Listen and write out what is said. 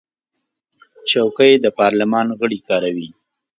چوکۍ د پارلمان غړي کاروي.